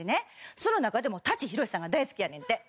その中でも舘ひろしさんが大好きやねんって。